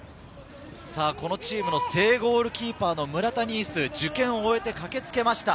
このチームの正ゴールキーパーの村田新直、受験を終えて駆けつけました。